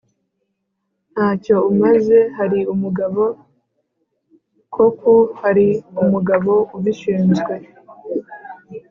Nta cyo umaze Hari umugabo koku hari umugabo ubishinzwe